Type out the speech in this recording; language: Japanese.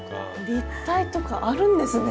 立体とかあるんですね。